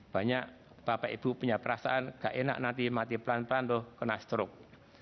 banyak bapak ibu punya perasaan gak enak nanti mati pelan pelan tuh kena stroke